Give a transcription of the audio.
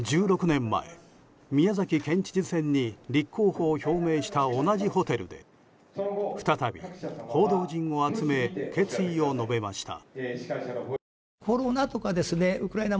１６年前、宮崎県知事選に立候補を表明した同じホテルで再び、報道陣を集め決意を述べました。